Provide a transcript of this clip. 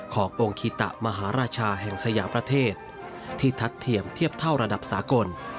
ขององค์คิตมหาราชาแห่งสยามประเทศที่ทัดเทียมเทียบเท่าระดับสากล